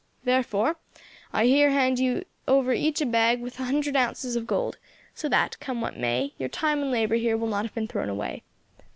Therefore I here hand you over each a bag with a hundred ounces of gold, so that, come what may, your time and labour here will not have been thrown away.